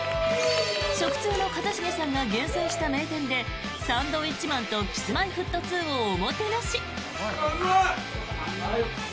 食通の一茂さんが厳選した名店でサンドウィッチマンとＫｉｓ−Ｍｙ−Ｆｔ２をおもてなし！